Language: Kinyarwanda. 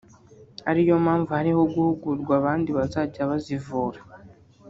ari yo mpamvu harimo guhugurwa abandi bazajya bazivura